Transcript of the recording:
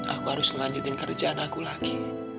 aku harus melanjutkan kerjaan aku lagi